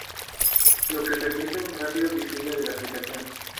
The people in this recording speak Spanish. Lo que permite un rápido diseño de la aplicación.